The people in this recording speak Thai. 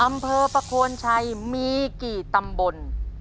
อำเภอประโคนชัยมีกี่ตำบล